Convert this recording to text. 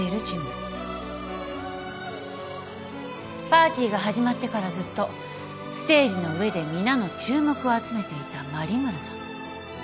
パーティーが始まってからずっとステージの上で皆の注目を集めていた真梨邑さん。